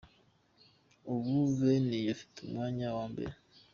Ubu Benin niyo ifite umwanya wa mbere.